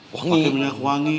wah pakai minyak wangi